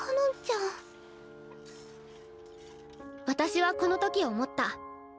私はこの時思った。